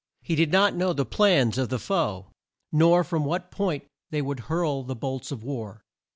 He did not know the plans of the foe, nor from what point they would hurl the bolts of war.